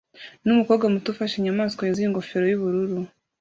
numukobwa muto ufashe inyamaswa yuzuye ingofero yubururu